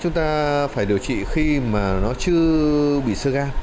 chúng ta phải điều trị khi mà nó chưa bị sơ gan